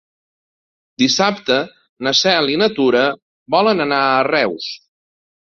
Dissabte na Cel i na Tura volen anar a Reus.